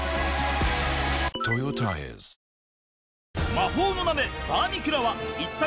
魔法の鍋。